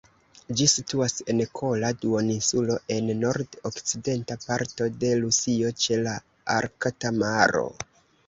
Ĝi situas en Kola duoninsulo, en nord-okcidenta parto de Rusio, ĉe la Arkta maro.